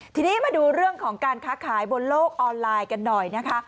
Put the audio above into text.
ทีนี้มาดูเรื่องของการค้าขายบนโลกออนไลน์กันหน่อยนะคะ